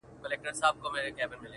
چي مخامخ په څېر د ستورو وي رڼاوي پاشي